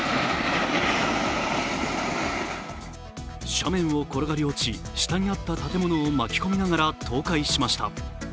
斜面を転がり落ち、下にあった建物を巻き込みながら倒壊しました。